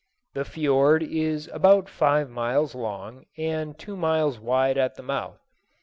The fiord is about five miles long, and two miles wide at the mouth.